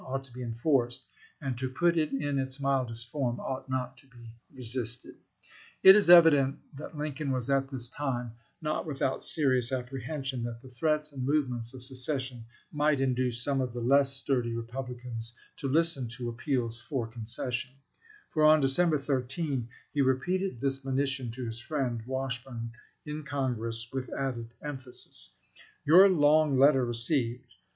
ought to be enforced — to put it in its mildest form, MS. ought not to be resisted.1 It is evident that Lincoln was at this time not without serious apprehension that the threats and movements of secession might induce some of the less sturdy Kepublicans to listen to appeals for concession; for on December 13 he repeated this monition to his friend Washburne in Congress, with added emphasis: Your long letter received.